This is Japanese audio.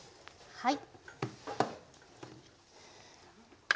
はい。